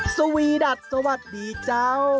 สวีดัทสวัสดีเจ้า